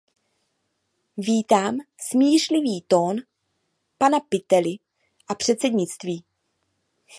Vítám smířlivý tón pana Pitelly a předsednictví.